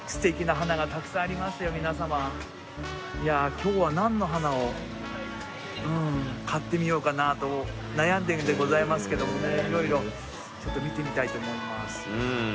今日はなんの花をうーん買ってみようかなと悩んでいるんでございますけどもねいろいろちょっと見てみたいと思います。